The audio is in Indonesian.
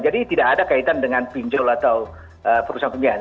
jadi tidak ada kaitan dengan pinjol atau perusahaan pembiayaan